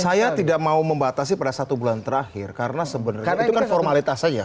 saya tidak mau membatasi pada satu bulan terakhir karena sebenarnya itu kan formalitas saja